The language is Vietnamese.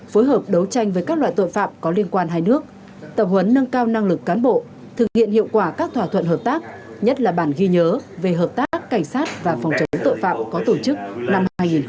phối hợp đấu tranh với các loại tội phạm có liên quan hai nước tập huấn nâng cao năng lực cán bộ thực hiện hiệu quả các thỏa thuận hợp tác nhất là bản ghi nhớ về hợp tác cảnh sát và phòng chống tội phạm có tổ chức năm hai nghìn một mươi tám